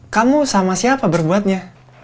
kamu sama siapa berbuatnya